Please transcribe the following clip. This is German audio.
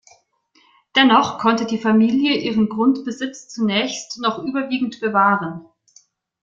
Dennoch konnte die Familie ihren Grundbesitz zunächst noch überwiegend bewahren.